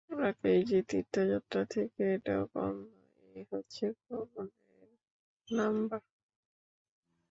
রাকেশজি তৃর্থযাত্রার থেকে এটাও কম না, এ হচ্ছে পবন এর নাম্বার।